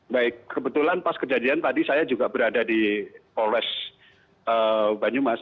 baik kebetulan pas kejadian tadi saya juga berada di polres banyumas